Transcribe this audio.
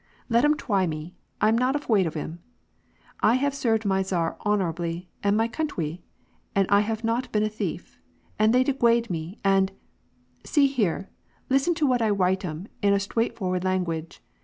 Let Vm twy me, I'm not af waid of 'em ! I have served my tsar honow ably, and my countwy, and I have not been a thief ! and they degwade me and — See here ! listen to what I w'ite 'em in stwaightforward language.